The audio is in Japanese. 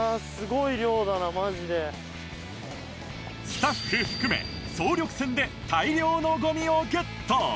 スタッフ含め総力戦で大量のゴミをゲット